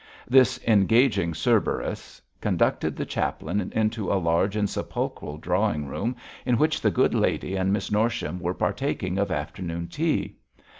This engaging Cerberus conducted the chaplain into a large and sepulchral drawing room in which the good lady and Miss Norsham were partaking of afternoon tea.